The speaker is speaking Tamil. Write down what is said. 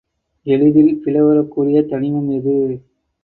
எளிதில் பிளவுறக்கூடிய தனிமம் எது?